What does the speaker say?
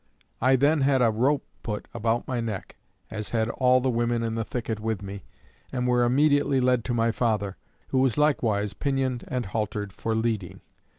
I then had a rope put about my neck, as had all the women in the thicket with me, and were immediately led to my father, who was likewise pinioned and haltered for leading.